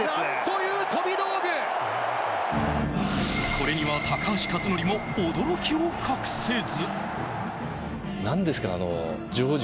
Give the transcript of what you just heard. これには高橋克典も驚きを隠せず。